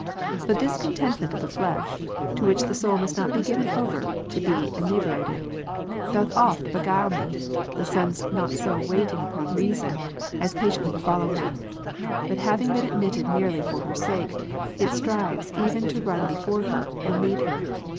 But this contentment of the flesh, to which the soul must notbe given over to be enervated, doth oft beguile me, the sense not so waiting upon reason, as pati ently to follow her; but having been admitted merely for her sake, it strives even to run before her, and lead her.